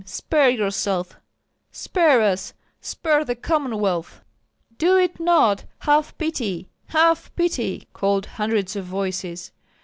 Spare yourself, spare us, spare the Commonwealth!" "Do it not! Have pity, have pity!" called hundreds of voices.